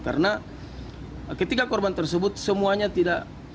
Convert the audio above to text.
karena ketika korban tersebut semuanya tidak